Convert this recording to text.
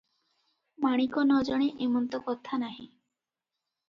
ମାଣିକ ନ ଜାଣେ, ଏମନ୍ତ କଥା ନାହିଁ ।